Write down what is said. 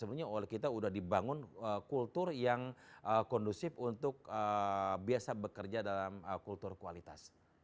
sebenarnya oleh kita sudah dibangun kultur yang kondusif untuk biasa bekerja dalam kultur kualitas